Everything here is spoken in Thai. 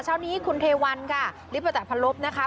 เช่านี้คุณเทวันค่ะริปุติภัณฑ์ภรรพนะคะ